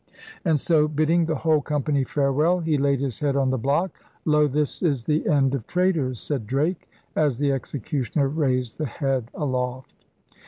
*And so bidding the whole company farewell he laid his head on the block.' *Lo! this is the end of traitors!' said Drake as the executioner raised the head aloft.